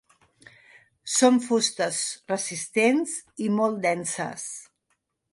Són fustes resistents i molt denses.